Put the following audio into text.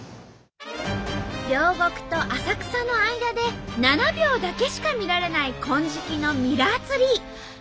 両国と浅草の間で７秒だけしか見られない金色のミラーツリー。